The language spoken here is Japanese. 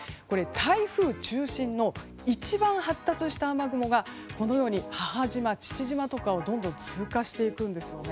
台風中心の一番発達した雨雲が母島、父島をどんどん通過していくんです。